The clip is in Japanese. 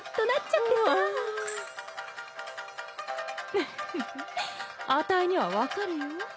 フッフフあたいには分かるよ。